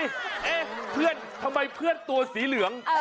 เอ๊ะเพื่อนทำไมเพื่อนตัวสีเหลือง